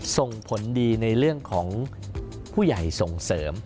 ส่งผลดีในเรื่องของผู้ใหญ่ส่งเสริม